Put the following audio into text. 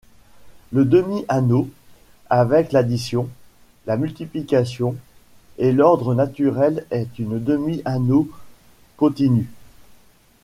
Le demi-anneau } avec l'addition, la multiplication, et l'ordre naturel est une demi-anneau continu.